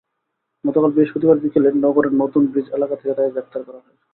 গতকাল বৃহস্পতিবার বিকেলে নগরের নতুন ব্রিজ এলাকা থেকে তাঁকে গ্রেপ্তার করা হয়।